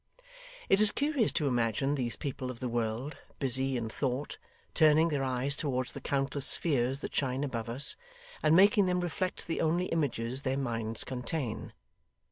It is curious to imagine these people of the world, busy in thought, turning their eyes towards the countless spheres that shine above us, and making them reflect the only images their minds contain.